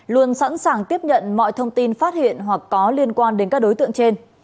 luôn sẵn sàng tiếp nhận mọi thông tin phát hiện hoặc có liên quan đến các đối tượng trên